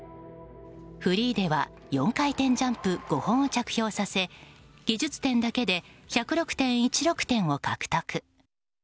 フリーでは４回転ジャンプ５本を着氷させ技術点だけで１０６．１６点を獲得。